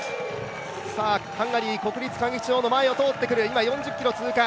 ハンガリー国立歌劇場の前を通ってくる、４０ｋｍを通過。